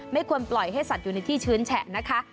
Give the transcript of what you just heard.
ไม่ควรปล่อยให้สัตว์อยู่ในที่ชื้นแฉะนะคะ